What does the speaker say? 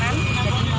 jadi mau masuk ke kanan